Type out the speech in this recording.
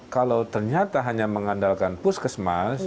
kalau ternyata hanya mengandalkan puskesmas